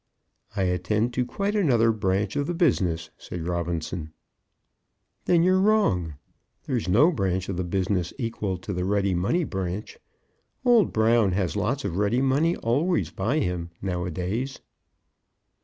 "I attend to quite another branch of the business," said Robinson. "Then you're wrong. There's no branch of the business equal to the ready money branch. Old Brown has lots of ready money always by him now a days."